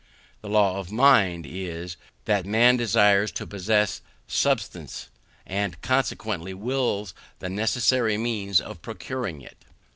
The law of mind is, that man desires to possess subsistence, and consequently wills the necessary means of procuring it.